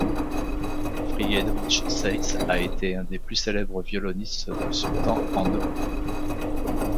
Friedrich Seitz a été un des plus célèbres violonistes de son temps en Europe.